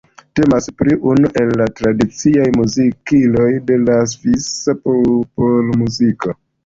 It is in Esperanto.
Temas pri unu el la tradiciaj muzikiloj de la svisa popolmuziko.